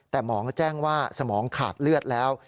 แต่หมอแจ้งว่าสมองขาดเลือดแล้ว